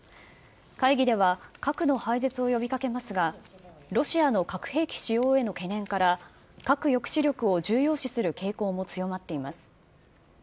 会議では核の廃絶を呼びかけますが、ロシアの核兵器使用への懸念から、核抑止力を重要視する傾向も強まっています。